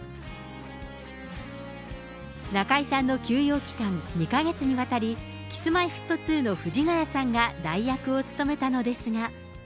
中居さんの休養期間、２か月にわたり、Ｋｉｓ−Ｍｙ−Ｆｔ２の藤ヶ谷さんが代役を務めたのですが。